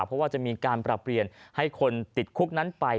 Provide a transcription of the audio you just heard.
เพราะว่าจะมีการปรับเปลี่ยนให้คนติดคุกนั้นไป